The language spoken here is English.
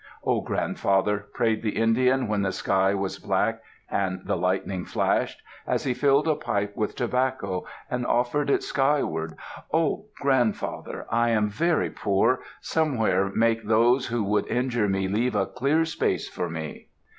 "Oh, grandfather," prayed the Indian when the sky was black and the lightning flashed, as he filled a pipe with tobacco and offered it skyward, "Oh, grandfather! I am very poor. Somewhere make those who would injure me leave a clear space for me."